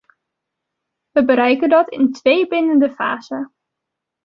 We bereiken dat in twee bindende fasen.